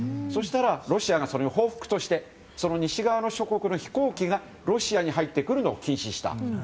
そうしたらロシアがその報復として西側諸国の飛行機がロシアに入ってくるのを禁止した。